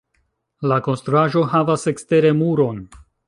La konstruaĵo havas ekstere muron.